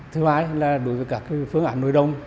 thứ hai là đối với các phương án nổi đông